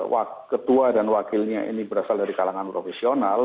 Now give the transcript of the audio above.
wakil ketua dan wakilnya ini berasal dari kalangan profesional